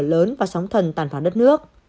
lửa lớn và sóng thần tàn phán đất nước